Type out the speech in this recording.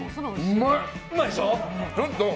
うまいでしょ？